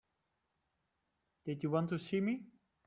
Did you want to see me?